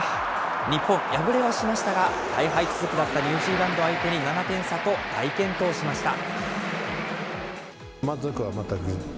日本、敗れはしましたが、大敗続きだったニュージーランド相手に７点差と、大健闘しました。